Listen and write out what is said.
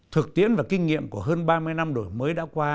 thực tiễn và kinh nghiệm của hơn ba mươi năm đổi mới đã qua